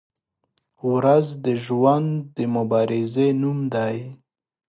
• ورځ د ژوند د مبارزې نوم دی.